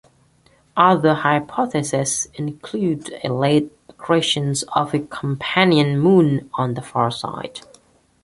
Other hypotheses include a late accretion of a companion Moon on the far side.